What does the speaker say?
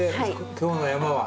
今日の山は。